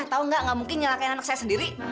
tahu nggak nggak mungkin nyalahkan anak saya sendiri